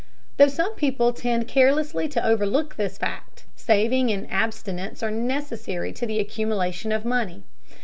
Though some people tend carelessly to overlook this fact, saving and abstinence are necessary to the accumulation of money.